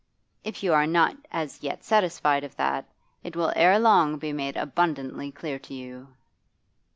If you are not as yet satisfied of that, it will ere long be made abundantly clear to you.